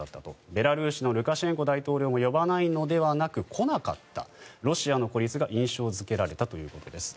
ベラルーシのルカシェンコ大統領も呼ばないのではなく来なかったロシアの孤立が印象付けられたということです。